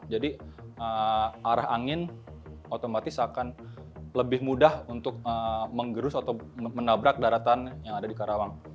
jadi arah angin otomatis akan lebih mudah untuk menggerus atau menabrak daratan yang ada di karawang